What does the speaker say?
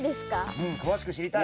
うん詳しく知りたい。